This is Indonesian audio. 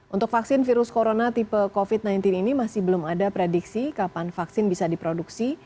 untuk vaksin virus corona tipe covid sembilan belas ini masih belum ada prediksi kapan vaksin bisa diproduksi